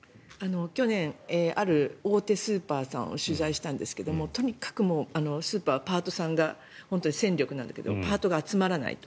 去年ある大手スーパーさんを取材したんですがとにかくスーパーはパートさんが戦力なんだけどパートが集まらないと。